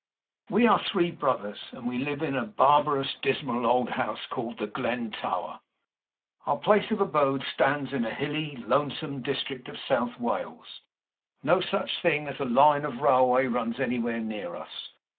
We are three brothers; and we live in a barbarous, dismal old house called The Glen Tower. Our place of abode stands in a hilly, lonesome district of South Wales. No such thing as a line of railway runs anywhere near us.